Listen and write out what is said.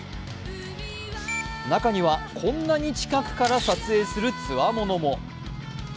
中には、こんなに近くから撮影する強者も。